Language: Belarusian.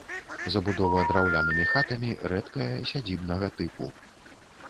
Забудова драўлянымі хатамі, рэдкая, сядзібнага тыпу.